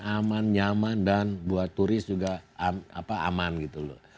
aman nyaman dan buat turis juga aman gitu loh